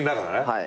はい。